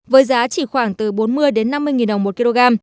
với giá chỉ khoảng từ bốn mươi năm mươi nghìn đồng một kg